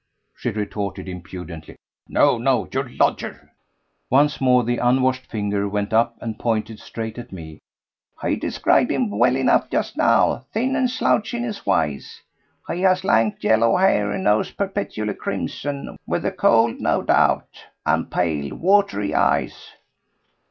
she retorted impudently. "No, no! Your lodger." Once more the unwashed finger went up and pointed straight at me. "He described him well enough just now; thin and slouchy in his ways. He has lank, yellow hair, a nose perpetually crimson—with the cold no doubt—and pale, watery eyes.